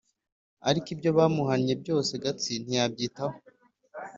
Ariko ibyo bamuhannye byose Gatsi ntiyabyitaho